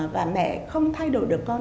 và mẹ không thay đổi được con